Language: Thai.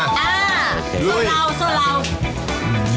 อ่าโซลาวโซลาว